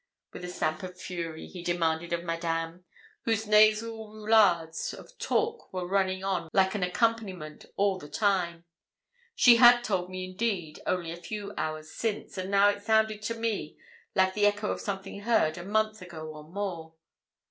with a stamp of fury he demanded of Madame, whose nasal roullades of talk were running on like an accompaniment all the time. She had told me indeed only a few hours since, and now it sounded to me like the echo of something heard a month ago or more.